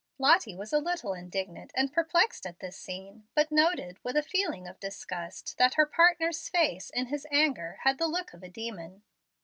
Lottie was a little indignant and perplexed at this scene; but noted, with a feeling of disgust, that her partner's face, in his anger, had the look of a demon.